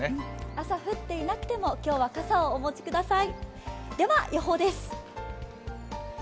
朝、降っていなくても今日は傘をお持ちください。